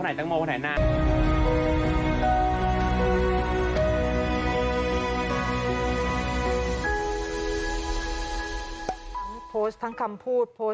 คนไหนอันน่าคนไหนตังโม